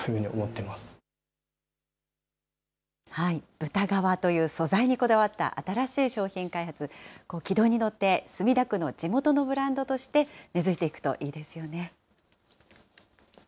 豚革という素材にこだわった新しい商品開発、軌道に乗って、墨田区の地元のブランドとして根づいていくといいですよね。